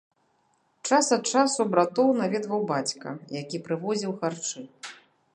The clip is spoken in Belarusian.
Час ад часу братоў наведваў бацька, які прывозіў харчы.